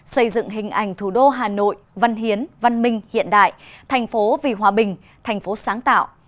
xây dựng hình ảnh thủ đô hà nội văn hiến văn minh hiện đại thành phố vì hòa bình thành phố sáng tạo